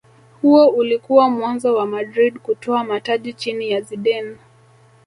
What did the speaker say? huo ulikuwa mwanzo wa madrid kutwaa mataji chini ya zidane